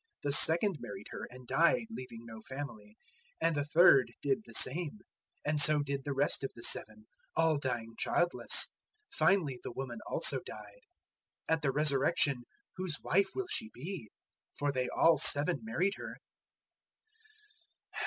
012:021 The second married her, and died, leaving no family; and the third did the same. 012:022 And so did the rest of the seven, all dying childless. Finally the woman also died. 012:023 At the Resurrection whose wife will she be? For they all seven married her."